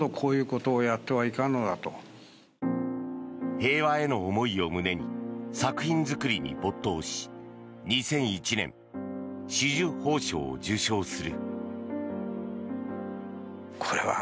平和への思いを胸に作品作りに没頭し２００１年紫綬褒章を受章する。